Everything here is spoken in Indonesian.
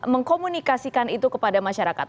mengkomunikasikan itu kepada masyarakat